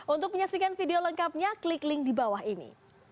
untuk menyaksikan video lengkapnya klik link di bawah ini